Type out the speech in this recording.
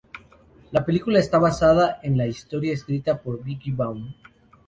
La película está basada en la historia escrita por Vicki Baum.